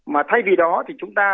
mà thay vì đó thì chúng ta